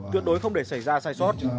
tuyệt đối không để xảy ra sai sót